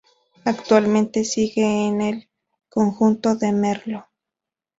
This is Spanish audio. Actualmente sigue en el conjunto de Merlo.